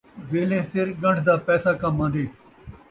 ویلھے سر ڳن٘ڈھ دا پیسہ کم آن٘دے